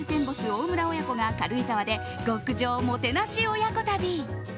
大村親子が軽井沢で極上もてなし親子旅。